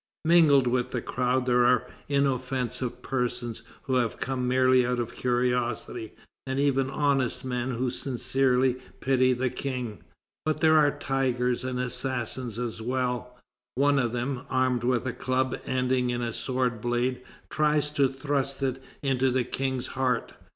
Mingled with the crowd there are inoffensive persons, who have come merely out of curiosity, and even honest men who sincerely pity the King. But there are tigers and assassins as well. One of them, armed with a club ending in a sword blade, tries to thrust it into the King's heart.